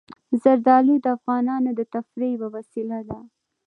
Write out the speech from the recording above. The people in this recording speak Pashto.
زردالو د افغانانو د تفریح یوه وسیله ده.